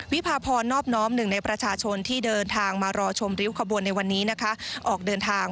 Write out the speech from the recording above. วิพาพรนอบน้อมหนึ่งในประชาชนที่เดินทางมารอชมริ้วขบวนในวันนี้นะคะออกเดินทาง